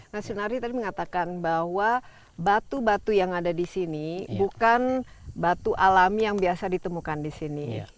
nah sunardi tadi mengatakan bahwa batu batu yang ada di sini bukan batu alami yang biasa ditemukan di sini